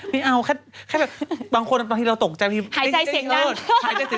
ไม่เอาแค่แบบบางคนตอนที่เราตกใจหายใจเสียงดัน